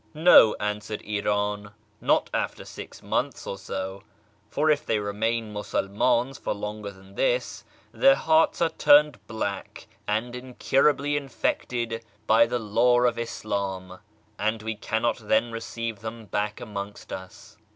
" No," answered Iran, " not after six months or so ; for if they remain Musulmans for longer than this, their hearts are turned black and incurably infected by the law of Islam, and we cannot then receive them back amongst us."